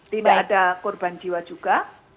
tidak ada korban jiwa juga